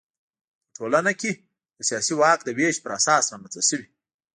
په ټولنه کې د سیاسي واک د وېش پر اساس رامنځته شوي.